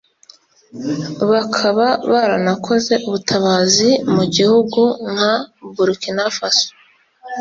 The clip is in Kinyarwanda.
bakaba baranakoze ubutabazi mu bihugu nka Burkinafaso